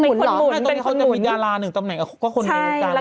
ตรงนี้เขาจำมือดาลาร์๑ตำแหน่งก็คนเลี้ยงกันน่ะ